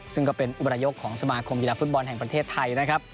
ซึ่งก็เป็นอุปนายกของสมาคมกีฬาฟุตบอลแห่งประเทศไทยนะครับ